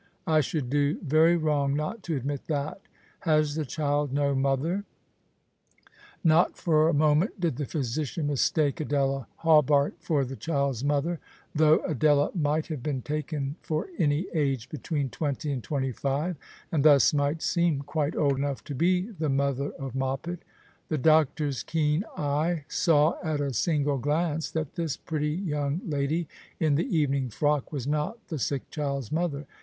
I should do very wrong not to admit that. Has the child no mother ?" Not for a moment did the physician mistake Adela Hawberk for the child's mother, though Adela might The Christmas Hirelings. 219 have been taken for any age between twenty and twenty five, and thns might seem quite old enough to be the m(jther of 3Ioppet. The doctor's keen eye saw at a single gknce that this pretty young lady in the evening frock was not the sick child's mother.